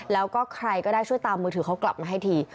แล้วก็ใครก็ได้ช่วยตามมือถือเขากลับมาให้ที